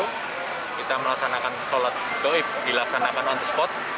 kita melaksanakan sholat goib dilaksanakan on the spot